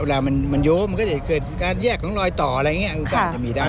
เวลามันโยมมันก็จะเกิดการแยกของรอยต่ออะไรอย่างนี้โอกาสจะมีได้